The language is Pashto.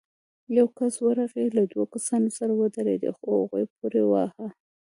يو کس ورغی، له دوو کسانو سره ودرېد، خو هغوی پورې واهه.